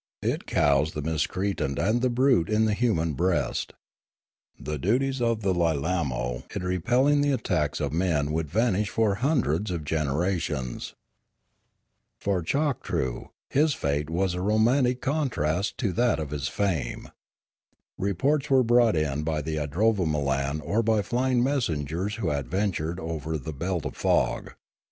It cows the miscreant and the brute in the human breast. The duties of the Lilaino in repelling the attacks of men would vanish for hundreds of generations. For Choktroo, his fate was a romantic contrast to that of his fame. Reports were brought in by the idrovamolan or by flying messengers who had ventured over the belt of fog.